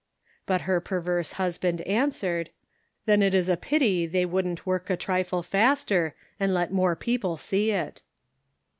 But her perverse husband answered : "Then it is a pity they wouldn't work a trifle faster, and let more people see it."